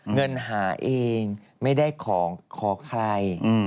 เงินหาเองไม่ได้ของขอใคร